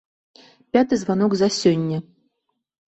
Пяты званок за сёння!